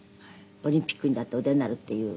オリンピックにだってお出になるっていう。